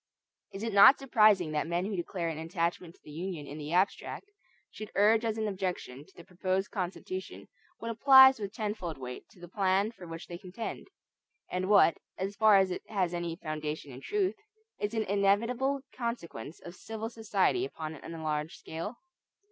Is it not surprising that men who declare an attachment to the Union in the abstract, should urge as an objection to the proposed Constitution what applies with tenfold weight to the plan for which they contend; and what, as far as it has any foundation in truth, is an inevitable consequence of civil society upon an enlarged scale?